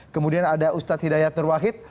kemudian ada ustadz hidayat nurwahid